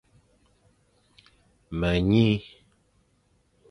Me nyi,